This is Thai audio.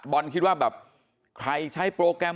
มันต้องการมาหาเรื่องมันจะมาแทงนะ